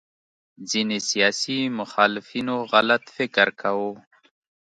ځینې سیاسي مخالفینو غلط فکر کاوه